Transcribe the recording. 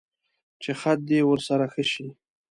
چې خط دې ورسره ښه شي.